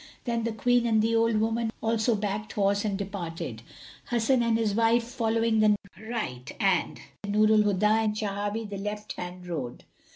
Then the Queen and the old woman also backed horse and departed, Hasan and his wife following the right and Nur al Huda and Shawahi the left hand road.